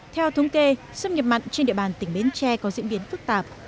theo thống kê xâm nhập mặn trên địa bàn tỉnh bến tre có diễn biến phức tạp